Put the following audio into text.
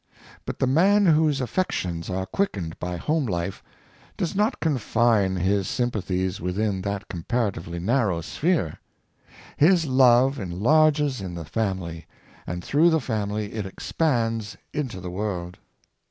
But the man whose affections are quickened by home life does not confine his sympathies within that com paratively narrow sphere. His love enlarges in the family, and through the family it expands into the world.